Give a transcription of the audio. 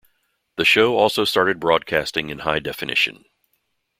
The show also started broadcasting in high-definition.